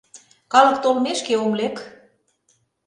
Калык толмешке ом лек...